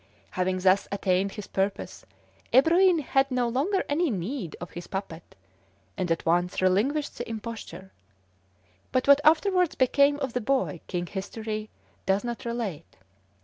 Having thus attained his purpose, Ebroin had no longer any need of his puppet, and at once relinquished the imposture; but what afterwards became of the boy king history does not relate.